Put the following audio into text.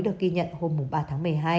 được ghi nhận hôm ba tháng một mươi hai